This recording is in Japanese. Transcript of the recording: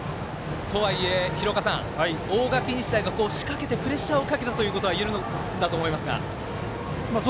とはいえ、大垣日大が仕掛けてプレッシャーをかけたといえるんだと思いますが。